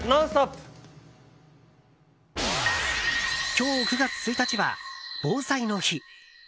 今日９月１日は、防災の日。